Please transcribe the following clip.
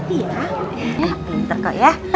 pinter kok ya